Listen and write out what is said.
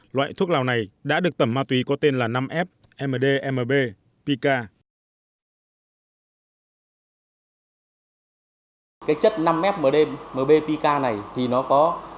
loại thuốc lào này đã được tẩm ma túy có tên là năm f md mb pk